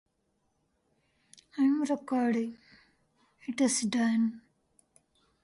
The crowd of spectators is fully convinced of the reality of this simulated death.